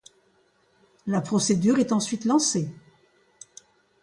La procédure est ensuite lancée.